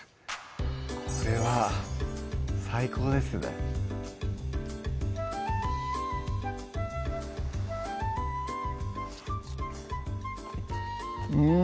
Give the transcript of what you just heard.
これは最高ですねうん！